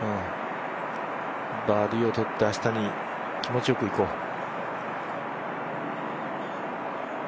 バーディーをとって明日に気持ちよくいこう。